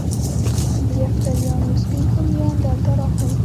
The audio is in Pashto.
د یفتلیانو سپین هونیان دلته راغلل